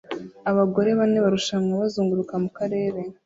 Abagore bane barushanwe bazunguruka mukarere